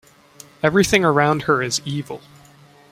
Everything around her is evil.